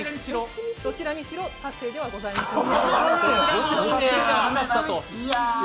どちらにしろ達成ではございません。